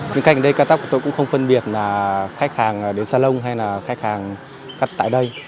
nhưng khách ở đây cắt tóc của tôi cũng không phân biệt là khách hàng đến salon hay là khách hàng cắt tại đây